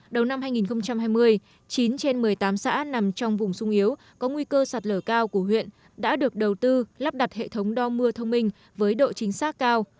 đầu năm hai nghìn hai mươi chín trên một mươi tám xã nằm trong vùng sung yếu có nguy cơ sạt lở cao của huyện đã được đầu tư lắp đặt hệ thống đo mưa thông minh với độ chính xác cao